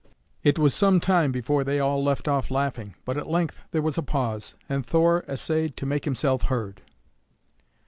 It was some time before they all left off laughing, but at length there was a pause, and Thor essayed to make himself heard.